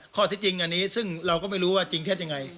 ข้อที่จริงอันนี้ซึ่งเราก็ไม่รู้ว่าจริงเท็จยังไง